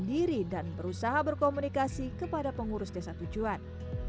diri dan berusaha berkomunikasi kepada pengurus desa tujuan